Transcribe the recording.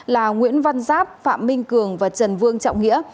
là nguyễn văn giáp phạm minh cường và trần vương trọng nghĩa